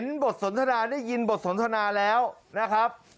บทสนทนาได้ยินบทสนทนาแล้วนะครับ